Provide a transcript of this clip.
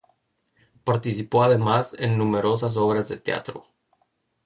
Participó además en numerosas obras de teatro.